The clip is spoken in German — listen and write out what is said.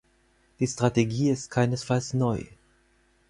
Die Strategie ist keinesfalls neu.